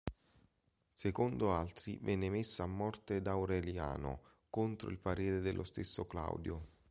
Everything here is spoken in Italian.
Secondo altri venne messo a morte da Aureliano, contro il parere dello stesso Claudio.